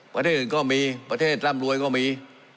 ประเทศอื่นก็มีประเทศร่ำรวยก็มี